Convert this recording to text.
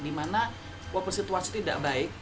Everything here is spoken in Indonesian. dimana walaupun situasi tidak baik